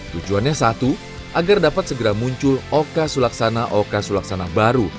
tujuannya satu agar dapat segera muncul oka sulaksana oka sulaksana baru